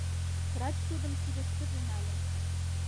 Врач тудым кидышкыже нале.